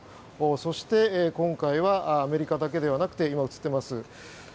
そして、今回はアメリカだけではなくて今映っています